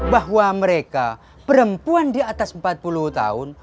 bahwa mereka perempuan di atas empat puluh tahun